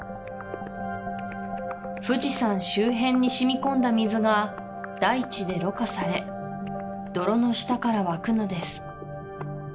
富士山周辺に染み込んだ水が大地で濾過され泥の下から湧くのです